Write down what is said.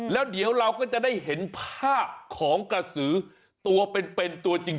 แล้วเดี๋ยวเราก็จะได้เห็นภาพของกระสือตัวเป็นตัวจริง